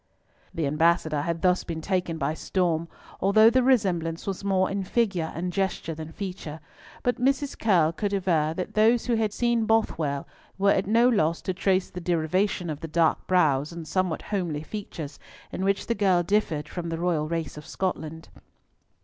The Ambassador had thus been taken by storm, although the resemblance was more in figure and gesture than feature, but Mrs. Curll could aver that those who had seen Bothwell were at no loss to trace the derivation of the dark brows and somewhat homely features, in which the girl differed from the royal race of Scotland.